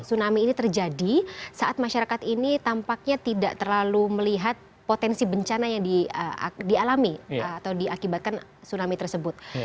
tsunami ini terjadi saat masyarakat ini tampaknya tidak terlalu melihat potensi bencana yang dialami atau diakibatkan tsunami tersebut